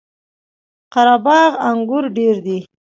قره باغ انګور ډیر دي؟